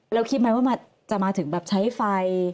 แล้วคิดไหมว่าจะมาถึงแบบใช้ไฟ